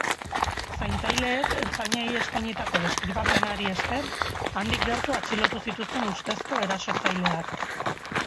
Zaintzaileek ertzainei eskainitako deskribapenari esker, handik gertu atxilotu zituzten ustezko erasotzaileak.